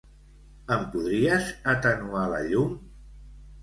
Em podries atenuar la llum?